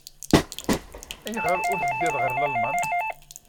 Ayɣer ur teddiḍ ɣer Lalman?